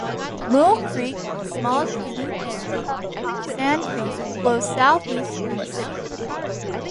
Mule Creek, a small tributary of Sand Creek, flows southeast through the city.